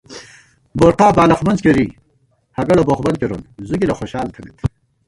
بورقا بالخ منزکېری ہگَڑہ بوخ بند کېرون زُوگِلہ خوشال تھنَئیت